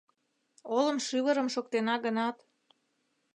Олым шӱвырым шоктена гынат